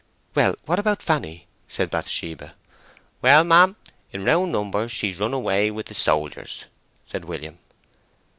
"Well, what about Fanny?" said Bathsheba. "Well, ma'am, in round numbers, she's run away with the soldiers," said William.